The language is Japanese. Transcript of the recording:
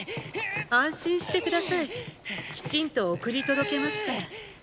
安心して下さいきちんと送り届けますから。